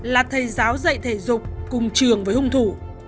là thầy giáo dạy thể dục cùng trường với hung thủ